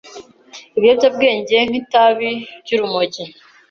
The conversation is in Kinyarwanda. ibiyobyabwenge nk’itabi ry’urumogi